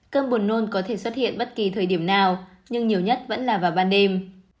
cơm buồn nôn có thể xuất hiện bất kỳ thời điểm nào nhưng nhiều nhất vẫn là vào ban đêm